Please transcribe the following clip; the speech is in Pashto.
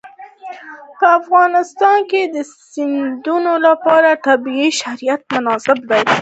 په افغانستان کې د سیندونه لپاره طبیعي شرایط مناسب دي.